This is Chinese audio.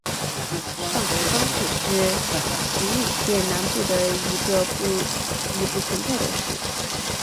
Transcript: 上福冈市是崎玉县南部的一个已不存在的市。